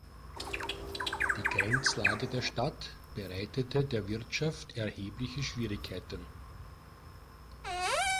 Die Grenzlage der Stadt bereitete der Wirtschaft erhebliche Schwierigkeiten.